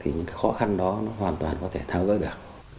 thì những khó khăn đó nó hoàn toàn có thể thao gỡ được